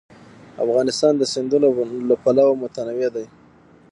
افغانستان د سیندونه له پلوه متنوع دی.